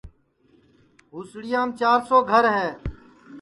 ہُوسڑیام چِار سو گھر ہے